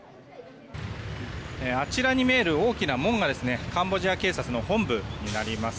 あちらに見える大きな門がカンボジア警察の本部になります。